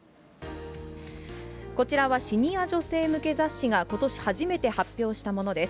こちらはシニア女性向け雑誌がことし初めて発表したものです。